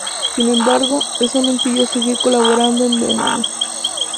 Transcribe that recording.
Sin embargo, eso no impidió seguir colaborando en Bemani.